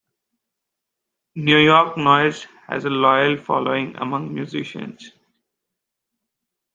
"New York Noise" has a loyal following among musicians.